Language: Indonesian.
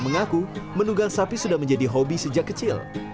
mengaku menunggang sapi sudah menjadi hobi sejak kecil